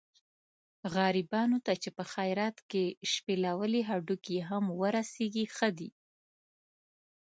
غریبانو ته چې په خیرات کې شپېلولي هډوکي هم ورسېږي ښه دي.